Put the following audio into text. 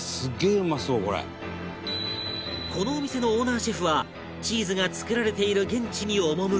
このお店のオーナーシェフはチーズが作られている現地に赴き